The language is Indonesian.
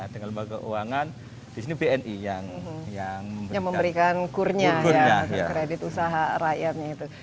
dengan lembaga keuangan disini bni yang memberikan kurnya kredit usaha rakyatnya itu